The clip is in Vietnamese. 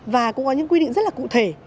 và cũng có những quy định rất là cụ thể